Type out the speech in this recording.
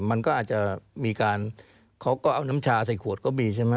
มันก็อาจจะมีการเขาก็เอาน้ำชาใส่ขวดก็มีใช่ไหม